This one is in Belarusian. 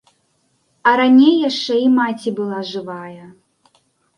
А раней яшчэ і маці была жывая.